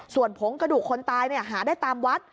ส่วนผงกระดูกคนตายหาได้ตามวัด